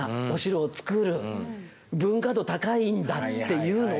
文化度高いんだっていうのを。